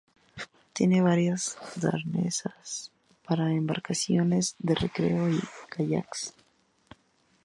Tiene varias dársenas para embarcaciones de recreo y kayaks.